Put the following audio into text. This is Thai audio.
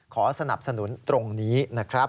สนับสนุนตรงนี้นะครับ